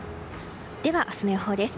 では、明日の予報です。